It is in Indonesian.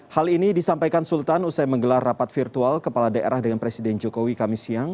hal ini disampaikan sultan usai menggelar rapat virtual kepala daerah dengan presiden jokowi kami siang